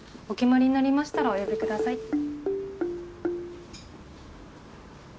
お決まりになりましたらお呼びください。